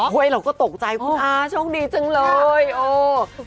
เฮ้ยเราก็ตกใจคุณอาช่องดีจังเลยโอ้ย